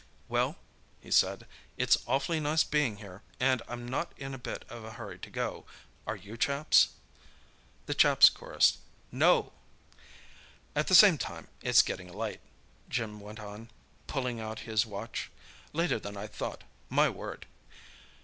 "Well," he said, "it's awfully nice being here, and I'm not in a bit of a hurry to go—are you, chaps?" The chaps chorused "No." "All the same, it's getting late," Jim went on, pulling out his watch—"later than I thought, my word!